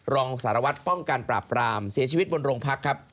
รองสารวัตรป้องกันปราบปรามเสียชีวิตบนโรงพักครับ